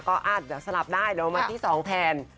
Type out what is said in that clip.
ก็อ่าสลับได้แล้วมาที่สองแทน